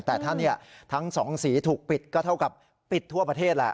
แต่ถ้าทั้งสองสีถูกปิดก็เท่ากับปิดทั่วประเทศแหละ